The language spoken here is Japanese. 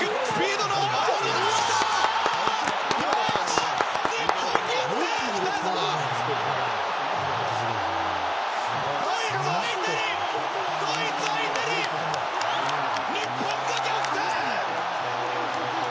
ドイツ相手に日本が逆転！